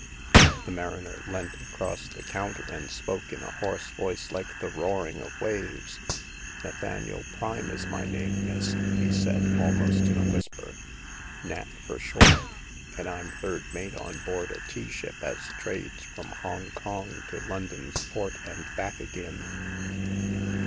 The mariner leant across the counter, and spoke in a hoarse voice like the roaring of waves. Nathaniel Prime is my name, miss," he said, almost in a whisper— Nat fur short ; and I'm third mate on board a tea ship as trades from Hong Kong to London's port and back agin."